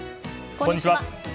こんにちは。